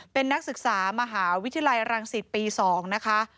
เป็นนักศึกษามหาวิทยาลัยรังสิตปี๒นะคะ